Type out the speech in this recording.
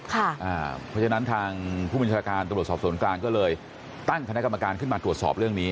เพราะฉะนั้นทางผู้บัญชาการตำรวจสอบสวนกลางก็เลยตั้งคณะกรรมการขึ้นมาตรวจสอบเรื่องนี้